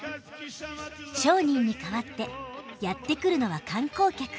商人に代わってやって来るのは観光客。